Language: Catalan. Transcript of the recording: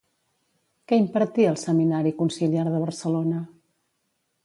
Què impartia al Seminari Conciliar de Barcelona?